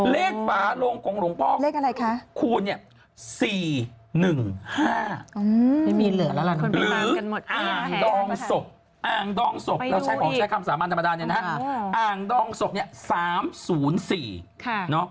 เลขฝารงของหลวงพ่อคูณ